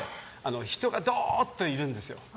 人がどーっといるんですよ。